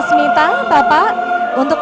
semita bapak untuk